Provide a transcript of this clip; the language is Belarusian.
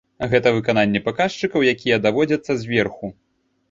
Гэта выкананне паказчыкаў, якія даводзяцца зверху.